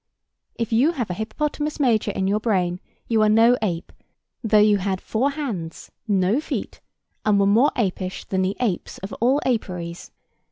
If you have a hippopotamus major in your brain, you are no ape, though you had four hands, no feet, and were more apish than the apes of all aperies.